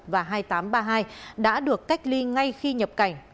và hai nghìn tám trăm ba mươi hai đã được cách ly ngay khi nhập cảnh